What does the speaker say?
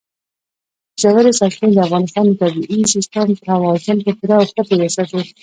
ژورې سرچینې د افغانستان د طبعي سیسټم توازن په پوره او ښه توګه ساتي.